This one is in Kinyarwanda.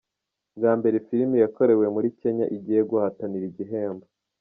Bwa mbere filimi yakorewe muri Kenya igiye guhatanira igihembo